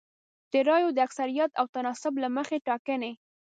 د رایو د اکثریت او تناسب له مخې ټاکنې